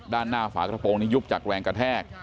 ด้านหน้าฝากระโปรงนี้ยุบจากแรงกระแทก